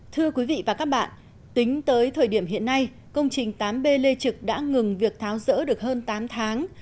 thưa quý vị và các bạn tính tới thời điểm hiện nay công trình tám b lê trực đã ngừng việc tháo rỡ được hơn tám tháng